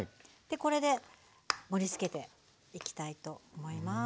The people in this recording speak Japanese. これで盛りつけていきたいと思います。